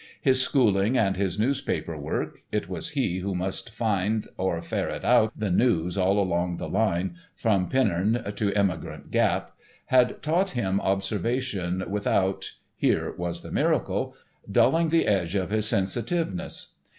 His schooling and his newspaper work—it was he who must find or ferret out the news all along the line, from Penrhyn to Emigrant Gap—had taught him observation without—here was the miracle—dulling the edge of his sensitiveness.